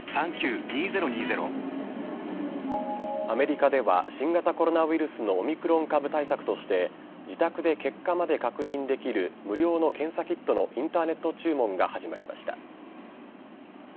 アメリカでは新型コロナウイルスのオミクロン株対策として、自宅で結果まで確認できる無料の検査キットのインターネット注文が始まりました。